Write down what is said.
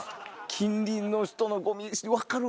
近隣の人のゴミ捨て分かる！